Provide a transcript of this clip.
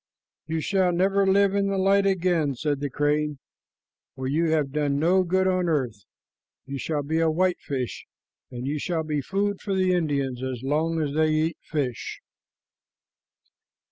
"You shall never live in the light again," said the crane, "for you have done no good on earth. You shall be a whitefish, and you shall be food for the Indians as long as they eat fish."